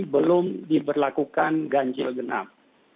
belum diberlakukan ganjel genap